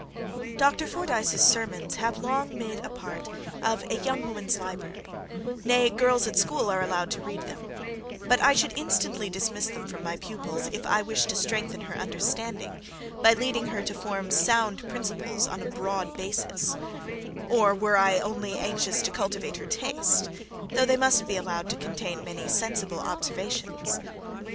SECTION 5.2. Dr. Fordyce's sermons have long made a part of a young woman's library; nay, girls at school are allowed to read them; but I should instantly dismiss them from my pupil's, if I wished to strengthen her understanding, by leading her to form sound principles on a broad basis; or, were I only anxious to cultivate her taste; though they must be allowed to contain many sensible observations.